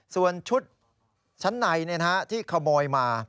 ส่วนชุดชั้นในที่ขโมยมา